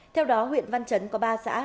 theo đó huyện văn chấn có ba xã